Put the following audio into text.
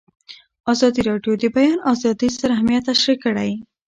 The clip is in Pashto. ازادي راډیو د د بیان آزادي ستر اهميت تشریح کړی.